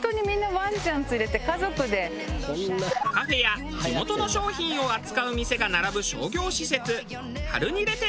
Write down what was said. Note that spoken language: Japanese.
カフェや地元の商品を扱う店が並ぶ商業施設。